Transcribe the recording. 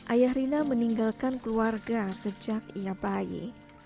ayah rina meninggalkan keluarga sejak ia bayi